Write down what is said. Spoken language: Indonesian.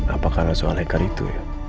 apakah soal hekar itu ya